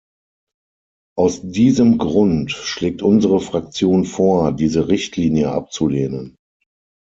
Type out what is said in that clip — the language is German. Aus diesem Grund schlägt unsere Fraktion vor, diese Richtlinie abzulehnen.